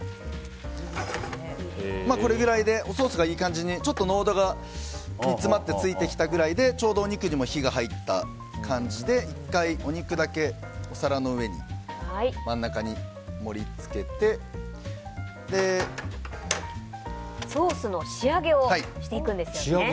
これくらいでソースがいい感じに濃度が煮詰まってついてきたぐらいでちょうどお肉にも火が入った感じで１回お肉だけお皿の上に真ん中に盛り付けてソースの仕上げをしていくんですよね。